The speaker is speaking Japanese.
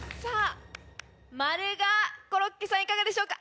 「○」がコロッケさんいかがでしょうか？